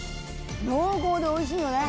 濃厚でおいしいよね。